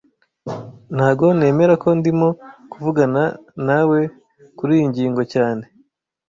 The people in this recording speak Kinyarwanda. Ntago nemera ko ndimo kuvugana nawe kuriyi ngingo cyane